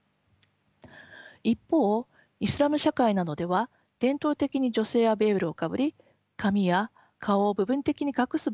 一方イスラム社会などでは伝統的に女性はベールをかぶり髪や顔を部分的に隠す文化もあります。